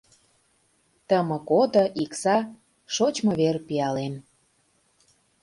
Тымык ото, икса — Шочмо вер, пиалем.